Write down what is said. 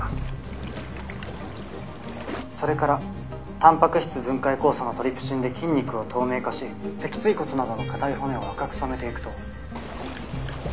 「それからたんぱく質分解酵素のトリプシンで筋肉を透明化し脊椎骨などの硬い骨を赤く染めていくと」